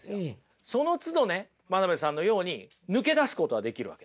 そのつどね真鍋さんのように抜け出すことはできるわけです。